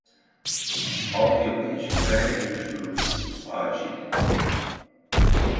Alt yapı için talep oluşturursunuz acil